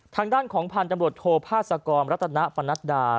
ทางด้านของพันธ์ตำรวจโทษภาษากรรตนภรรณดา